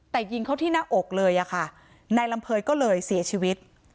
แต่ยิงเขาที่หน้าอกเลยอะค่ะนายลำเภยก็เลยเสียชีวิต